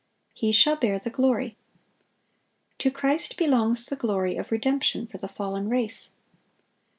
(678) "He shall bear the glory." To Christ belongs the glory of redemption for the fallen race.